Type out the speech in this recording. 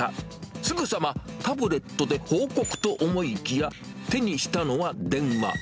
すぐさまタブレットで報告と思いきや、手にしたのは電話。